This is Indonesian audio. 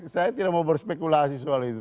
saya tidak mau berspekulasi soal itu